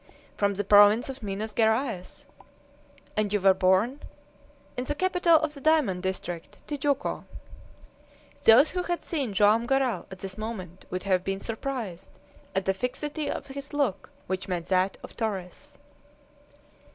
"From the province of Minas Geraes." "And you were born " "In the capital of the diamond district, Tijuco." Those who had seen Joam Garral at this moment would have been surprised at the fixity of his look which met that of Torres.